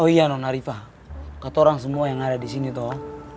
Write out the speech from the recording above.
oh iya nona riva kata orang semua yang ada disini toh